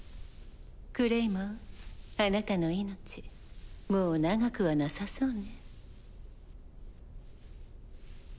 クレイマンあなたの命もう長くはなさそうね。